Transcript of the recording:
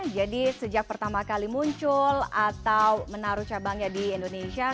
jadi sejak pertama kali muncul atau menaruh cabangnya di indonesia